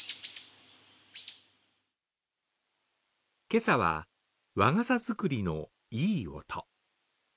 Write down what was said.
今朝は、和傘作りのいい音。